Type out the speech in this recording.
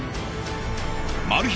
マル秘